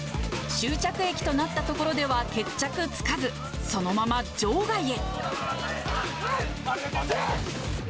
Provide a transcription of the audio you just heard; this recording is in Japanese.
終着駅となった所では決着つかず、そのまま場外へ。